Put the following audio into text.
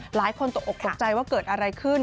หลายคนตกออกตกใจว่าเกิดอะไรขึ้น